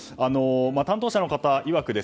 担当者の方いわく